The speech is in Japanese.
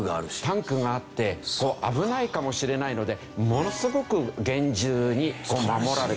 タンクがあって危ないかもしれないのでものすごく厳重に守られているというわけね。